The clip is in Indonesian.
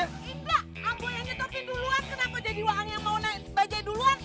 enggak ambo yang nyetopin duluan kenapa jadi waang yang mau bajain duluan